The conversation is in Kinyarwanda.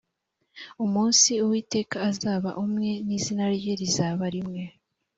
umunsi uwiteka azaba umwe n ‘izina rye rizaba rimwe